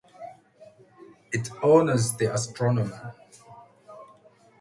It honors the astronomer.